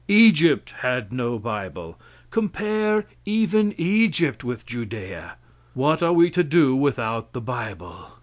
Egypt had no bible. Compare even Egypt with Judea. What are we to do without the bible?